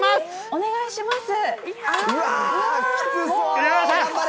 お願いします。